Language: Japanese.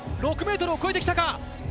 ６ｍ超えてきたか？